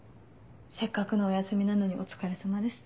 せっかくのお休みなのにお疲れさまです。